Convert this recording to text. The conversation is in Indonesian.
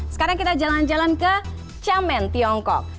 sekarang kita jalan jalan ke chiamen tiongkok